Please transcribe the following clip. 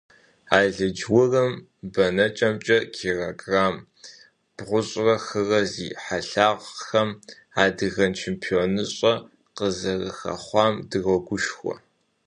Алыдж-урым бэнэкӏэмкӏэ килограмм бгъущӏрэ хырэ зи хьэлъагъхэм адыгэ чемпионыщӏэ къызэрыхэхъуам дрогушхуэ!